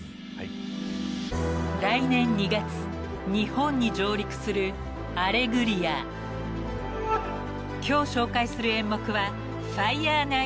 ［来年２月日本に上陸する『アレグリア』］［今日紹介する演目は］